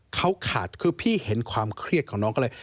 เขาขาดคือพี่เห็นความเครียดของน้องก็เลย